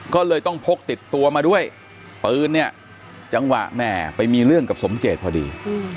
ก็เลยต้องพกติดตัวมาด้วยปืนเนี่ยจังหวะแม่ไปมีเรื่องกับสมเจตพอดี